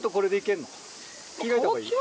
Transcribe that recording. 着替えた方がいい？